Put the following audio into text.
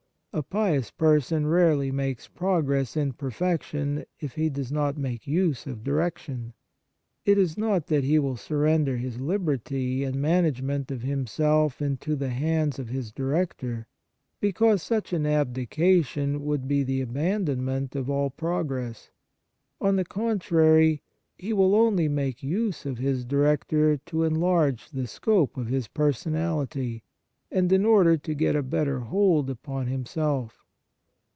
A pious person rarely makes pro gress in perfection if he does not make use of direction. It is not that he will surrender his liberty and management of himself into the hands of his director, because such an abdi cation would be the abandonment of all progress. On the contrary, he will only make use of his director to enlarge the scope of his personality, and in order to get a better hold upon himself.